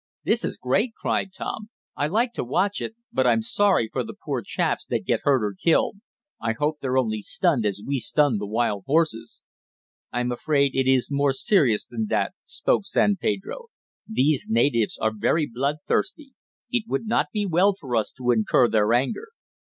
"This is great!" cried Tom. "I like to watch it, but I'm sorry for the poor chaps that get hurt or killed. I hope they're only stunned as we stunned the wild horses." "I'm afraid it is more serious than that," spoke San Pedro. "These natives are very bloodthirsty. It would not be well for us to incur their anger."